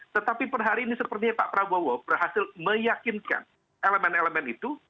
tetapi per hari ini sepertinya pak prabowo berhasil meyakinkan elemen elemen itu